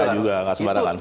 nggak juga nggak sembarangan